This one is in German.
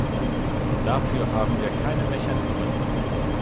Dafür haben wir keine Mechanismen.